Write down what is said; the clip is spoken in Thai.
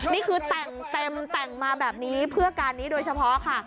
นี่คือแต่งเต็มแต่งมาแบบนี้เพื่อการนี้โดยเฉพาะค่ะ